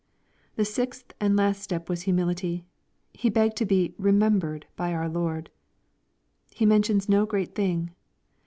— The sixth and last step w^as humility. He begged to be "remem bered" by our Lord. He mentions no great thing.